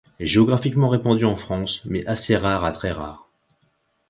Géographiquement répandu en France, mais assez rare à très rare.